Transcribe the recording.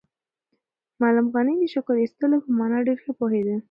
معلم غني د شکر ایستلو په مانا ډېر ښه پوهېده.